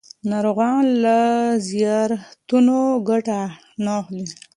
ناروغان له زیارتونو ګټه نه اخلي.